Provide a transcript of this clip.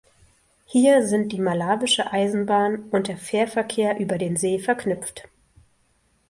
Hier sind die malawische Eisenbahn und der Fährverkehr über den See verknüpft.